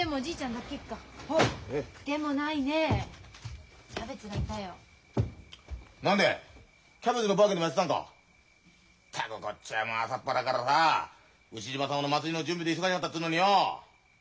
ったくこっちはもう朝っぱらからさあ牛嶋さまの祭りの準備で忙しかったっつうのによ。